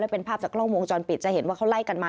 เป็นภาพจากกล้องวงจรปิดจะเห็นว่าเขาไล่กันมา